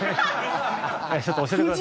ちょっと教えてくださいよ。